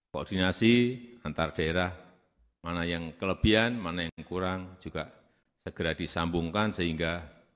koordinasi antar daerah mana yang kelebihan mana yang kurang juga segera disambungkan sehingga